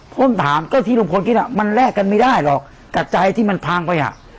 ผมถามก็ที่ลุงพลคิดอ่ะมันแลกกันไม่ได้หรอกกับใจที่มันพังไปอ่ะ